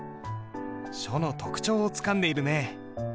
書の特徴をつかんでいるね。